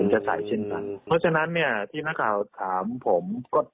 จะคงใส่เช่นกันเพราะฉะนั้นที่หน้าข่าวถามผม